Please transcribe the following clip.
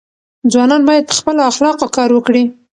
ځوانان باید په خپلو اخلاقو کار وکړي.